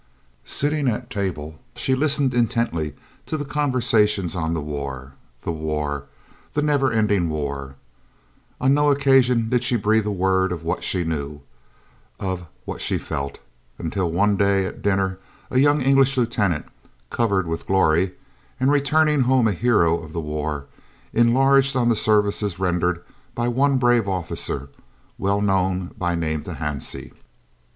Sitting at table she listened intently to the conversations on the war the war, the never ending war. On no occasion did she breathe a word of what she knew, of what she felt, until one day at dinner a young English lieutenant, "covered with glory" and returning home a hero of the war, enlarged on the services rendered by one brave officer, well known by name to Hansie.